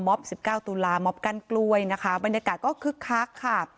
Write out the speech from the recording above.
๑๙ตุลามอบกั้นกล้วยนะคะบรรยากาศก็คึกคักค่ะ